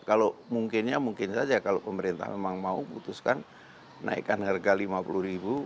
kalau mungkinnya mungkin saja kalau pemerintah memang mau putuskan naikkan harga lima puluh ribu